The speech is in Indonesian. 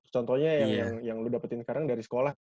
contohnya yang lu dapetin sekarang dari sekolah